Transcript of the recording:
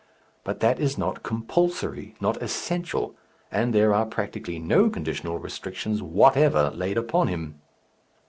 But that is not compulsory, not essential, and there are practically no conditional restrictions whatever laid upon him.